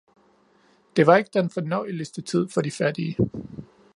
det var ikke den fornøjeligste tid for de fattige.